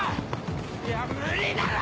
いや無理だろ！